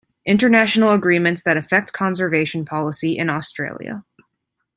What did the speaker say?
International agreements that affect conservation policy in Australia.